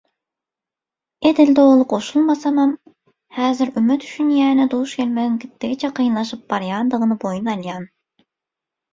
Edil doly goşulmasamam, häzir üme düşünýäne duş gelmegiň gitdigiçe kynlaşyp barýandygyny boýun alýan.